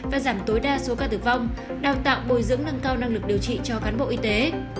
và giảm tối đa số ca tử vong đào tạo bồi dưỡng nâng cao năng lực điều trị cho cán bộ y tế